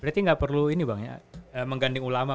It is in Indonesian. berarti gak perlu mengganding ulama